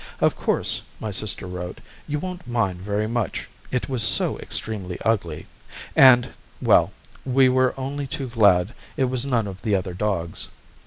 'Of course,' my sister wrote, 'you won't mind very much it was so extremely ugly, and well we were only too glad it was none of the other dogs.'